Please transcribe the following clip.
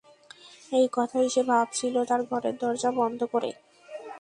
এই কথাই সে ভাবছিল তার ঘরের দরজা বন্ধ করে।